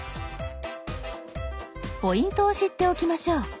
ポイントを知っておきましょう。